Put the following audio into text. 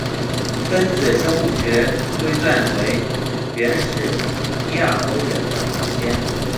分子生物学推断为原始亚欧人的祖先。